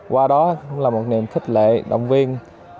qua đó cũng là một niềm khích lệ động viên